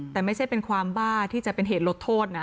แต่ไม่ใช่เป็นความบ้าที่จะเป็นเหตุลดโทษนะ